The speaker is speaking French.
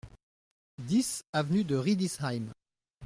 dix avenue de Riedisheim